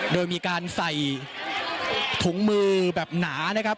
โดยมีการใส่ถุงมือแบบหนานะครับ